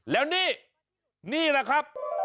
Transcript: แล้วนี่นี่แหละครับ